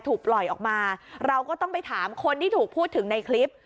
ถูกปล่อยออกมาเราก็ต้องไปถามคนที่ถูกพูดถึงในคลิป